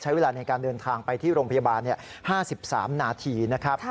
ใช้เวลาในการเดินทางไปที่โรงพยาบาล๕๓นาทีนะครับ